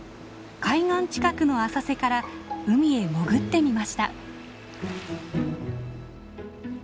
海岸近くの浅瀬から海へ潜ってみました。